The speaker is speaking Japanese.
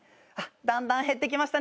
だんだん減ってきましたね。